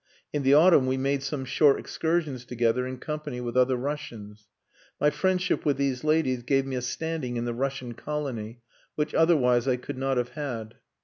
In the autumn we made some short excursions together in company with other Russians. My friendship with these ladies gave me a standing in the Russian colony which otherwise I could not have had.